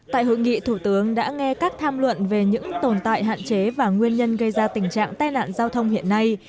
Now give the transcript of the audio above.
tại hội nghị thủ tướng đã nghe các tham luận về những tồn tại hạn chế và nguyên nhân gây ra tình trạng tai nạn giao thông hiện nay